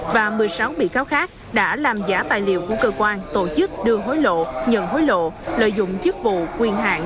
và một mươi sáu bị cáo khác đã làm giả tài liệu của cơ quan tổ chức đưa hối lộ nhận hối lộ lợi dụng chức vụ quyền hạn